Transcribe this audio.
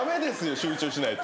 集中しないと。